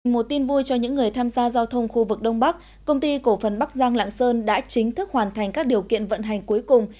một tin vui cho những người tham gia giao thông khu vực đông bắc công ty cổ phần bắc giang lạng sơn đã chính thức hoàn thành các điều kiện vận hành cuối cùng